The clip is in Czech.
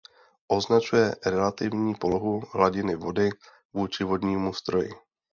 Označuje relativní polohu hladiny vody vůči vodnímu stroji.